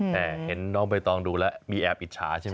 แต่เห็นน้องใบตองดูแล้วมีแอบอิจฉาใช่ไหม